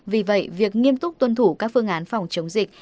vì vậy việc nghiêm túc tuân thủ các phương án phòng chống dịch